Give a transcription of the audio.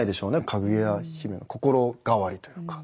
かぐや姫の心変わりというか。